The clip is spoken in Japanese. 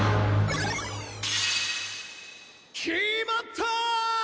決まった！